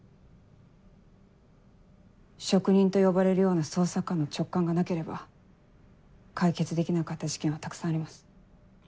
職人と呼ばれるような捜査官の直感がなければ解決できなかった事件はたくさんあります。